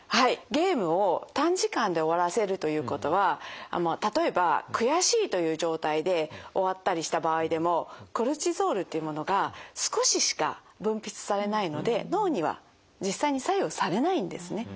ゲームを短時間で終わらせるということは例えば悔しいという状態で終わったりした場合でもコルチゾールっていうものが少ししか分泌されないので脳には実際に作用されないんですね。